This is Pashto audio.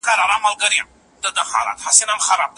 د ځوانانو ذهنونه په ایډیالوژیکو افکارو تغذیه کېږي.